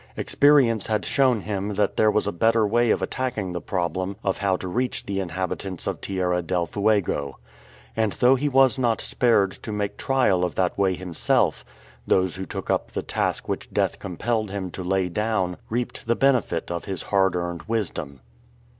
Experience had shown him that there was a better way of attacking the problem of how to reach the inhabitants of Tierra del Fuego. And though he was not spared to make trial of that way himself, those who took up the task which death compelled him to lay down reaped the benefit of his hard earned wisdom.